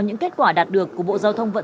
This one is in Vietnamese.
những kết quả đạt được của bộ công an